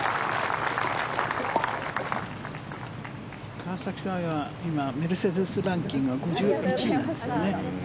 川崎春花は今、メルセデスランキングは５１位なんですよね。